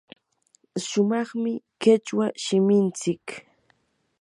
sumaqmi qichwa shiminchik.